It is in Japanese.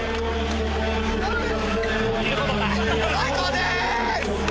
・最高です！